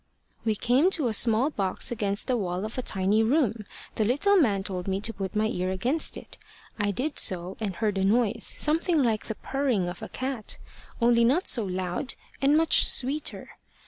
"We came to a small box against the wall of a tiny room. The little man told me to put my ear against it. I did so, and heard a noise something like the purring of a cat, only not so loud, and much sweeter.